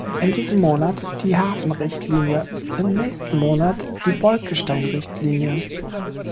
In diesem Monat die Hafenrichtlinie, im nächsten Monat die Bolkestein-Richtline.